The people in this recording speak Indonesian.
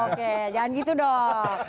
oke jangan gitu dong